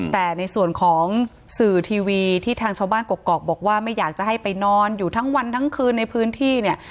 แต่ในส่วนของสื่อทีวีที่ทางชาวบ้านกรกบอกว่าไม่อยากจะให้ไปนอนอยู่ทั้งวันทั้งคืนในพื้นที่เนี่ย